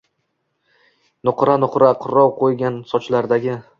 Nuqra-nuqra qirov qo’ngan sochlardagi